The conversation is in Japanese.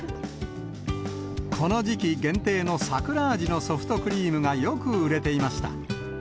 この時期限定のさくら味のソフトクリームがよく売れていました。